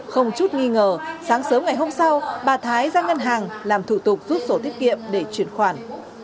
không chút nghi ngờ sáng sớm ngày hôm sau bà thái ra ngân hàng làm thủ tục rút sổ tiết kiệm để chuyển khoản